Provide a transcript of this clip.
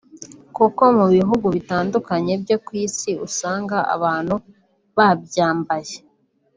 kuko mu bihugu bitandukanye byo ku isi usanga abantu babyambaye